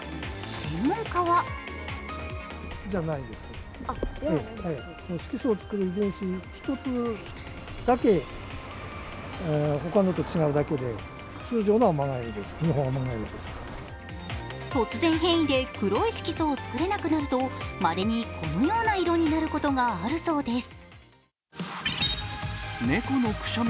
専門家は突然変異で黒い色素を作れなくなるとまれにこのような色になることがあるそうです。